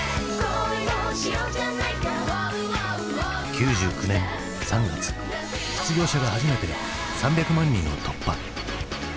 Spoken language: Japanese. ９９年３月失業者が初めて３００万人を突破。